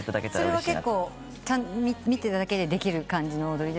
それは結構見ただけでできる感じの踊り？